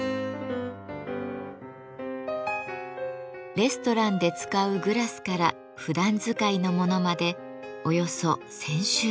レストランで使うグラスからふだん使いのものまでおよそ１，０００種類。